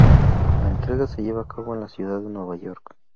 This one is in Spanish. La entrega se lleva a cabo en la ciudad de Nueva York.